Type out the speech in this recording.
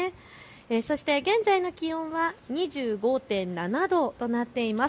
そして現在の気温は２５．７度となっています。